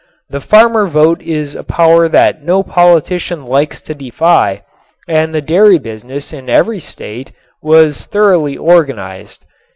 The farmer vote is a power that no politician likes to defy and the dairy business in every state was thoroughly organized.